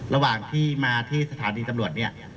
ระหว่างที่มาที่สถานีตำรวจเนี่ย